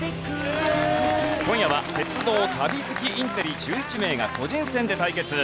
今夜は鉄道旅好きインテリ１１名が個人戦で対決！